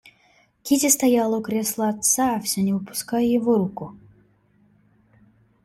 Кити стояла у кресла отца, всё не выпуская его руку.